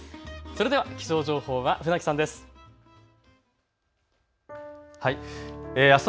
それでは気象情報は船木さんです。